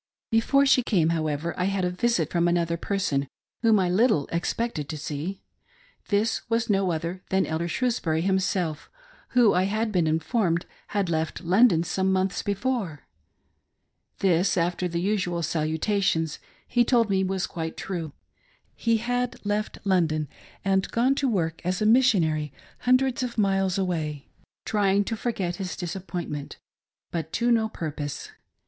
Before she came, however, I had a visit from another, per son, whom I little expected to see. This was no other than. Elder Shrewsbury himself, who, I had been informed, had left; London some months before. This, after the usual saluta^ tions, he told me was quite true ;— he had left London and gone to work a& a Missionary hundreds of miles away ; trying to forget his disappointment, but to no purpose.